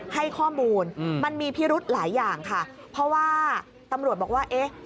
ให้ข้อมูลมันมีพิรุธหลายอย่างค่ะเพราะว่าตำรวจบอกว่าเอ๊ะ